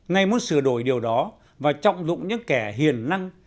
ngay muốn sửa đổi điều đó và trọng dụng những kẻ hiền năng